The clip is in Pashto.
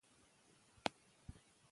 سپین او تور فرق نلري.